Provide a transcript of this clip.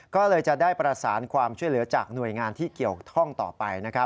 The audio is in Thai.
ก็เลยจะได้ประสานความช่วยเหลือจากหน่วยงานที่เกี่ยวข้องต่อไป